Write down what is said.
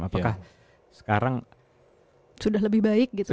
apakah sekarang sudah lebih baik gitu